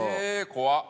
怖っ！